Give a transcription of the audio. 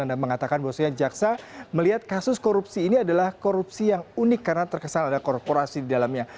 anda mengatakan bahwasanya jaksa melihat kasus korupsi ini adalah korupsi yang unik karena terkesan ada korporasi di dalamnya